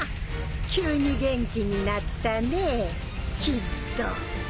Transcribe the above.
急に元気になったねぇキッド。